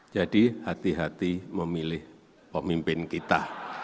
jadi hati hati memilih pemimpin kita